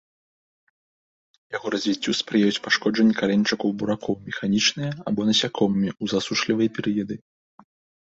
Яго развіццю спрыяюць пашкоджанні карэньчыкаў буракоў механічныя або насякомымі ў засушлівыя перыяды.